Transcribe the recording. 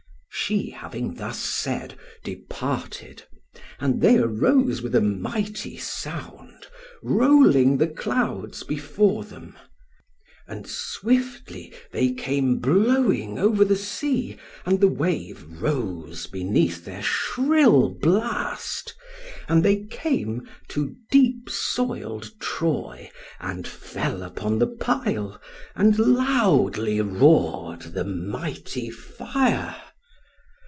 "She having thus said departed, and they arose with a mighty sound, rolling the clouds before them. And swiftly they came blowing over the sea, and the wave rose beneath their shrill blast; and they came to deep soiled Troy, and fell upon the pile, and loudly roared the mighty fire.